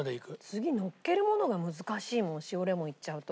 次のっけるものが難しいもん塩レモンいっちゃうと。